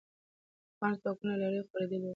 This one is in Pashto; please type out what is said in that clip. افغان ځواکونه له لرې خورېدلې وو.